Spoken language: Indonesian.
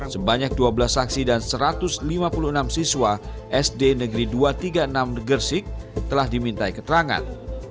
sebanyak dua belas saksi dan satu ratus lima puluh enam siswa sd negeri dua ratus tiga puluh enam gersik telah dimintai keterangan